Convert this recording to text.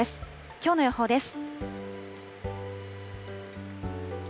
きょうの予報です。